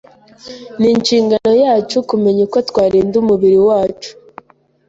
Ni inshingano yacu kumenya uko twarinda umubiri wacu